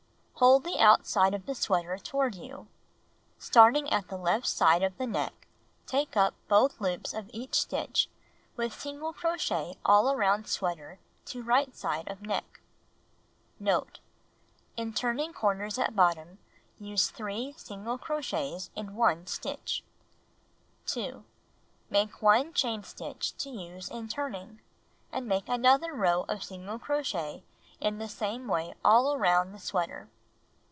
Hold the outside of the sweater toward you. Starting at the left side of the neck, take up both loops of each stitch'^with single crochet all around sweater to right side of neck. s it Try Of! l)oMy» 132 Knitting and Crocheting Book Note. — In turning corners at bottom use 3 single crochets in 1 stitch. 2. Make 1 diain stitch to use in turning, and make another row of single crochet in the same way all around sweater.